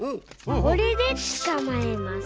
これでつかまえます。